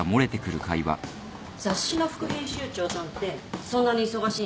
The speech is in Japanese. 雑誌の副編集長さんってそんなに忙しいの？